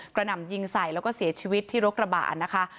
หน่ำยิงใส่แล้วก็เสียชีวิตที่รถกระบะนะคะ